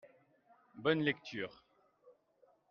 bonne lecture.